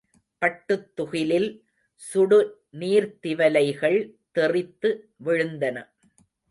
பட்டுத் துகிலில் சுடு நீர்த்திவலைகள் தெறித்து விழுந்தன.